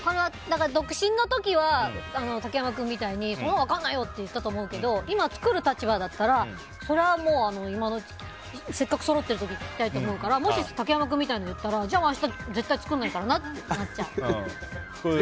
独身の時は竹山君みたいにそんなの分かんないよ！って言ったかもしれないけど今、作る立場だったらそれはせっかくそろってる時に聞きたいと思うからもし竹山君みたいに言ったらじゃあ明日は絶対作らないからなって思っちゃう。